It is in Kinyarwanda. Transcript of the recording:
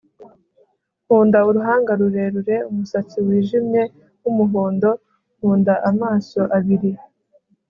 nkunda uruhanga rurerure, umusatsi wijimye-wumuhondo, nkunda amaso abiri